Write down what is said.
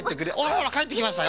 ほらかえってきましたよ！